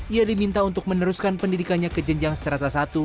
ia diminta untuk meneruskan pendidikannya ke jenjang strata i